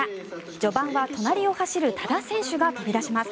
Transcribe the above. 序盤は隣を走る多田選手が飛び出します。